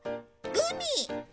グミ？